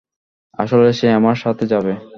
আসলে, সে আমার সাথে যাবে।